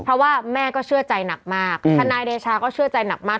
เพราะว่าแม่ก็เชื่อใจหนักมากทนายเดชาก็เชื่อใจหนักมาก